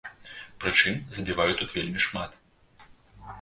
Прычым, забіваюць тут вельмі шмат.